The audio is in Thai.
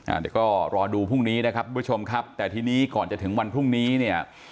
เดี๋ยวก็รอดูพรุ่งนี้นะครับทุกผู้ชมครับแต่ทีนี้ก่อนจะถึงวันพรุ่งนี้เนี่ย